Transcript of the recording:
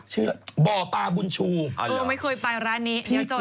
ชื่ออะไรบ่ปลาบุญชูไม่เคยไปร้านนี้เดี๋ยวจดเลย